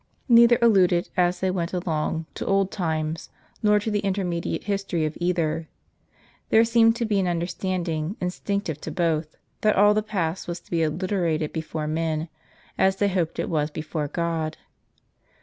Neither alluded, as they went along, to old times, nor to the intermediate history of either. There seemed to be an understanding, instinctive to both, that all the past was to be obliterated before men, as they hoped it was before God.